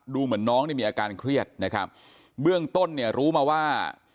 ดูเหมือนน้องมีอาการเครียดเบื้องต้นรู้มาว่า